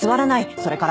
それから。